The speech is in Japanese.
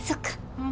うん。